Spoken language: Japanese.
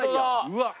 うわっ。